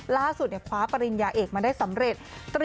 ล่าสุดคว้าปริญญาเอกมาได้สำเร็จ